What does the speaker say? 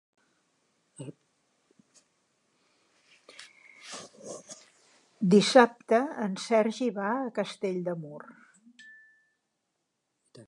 Dissabte en Sergi va a Castell de Mur.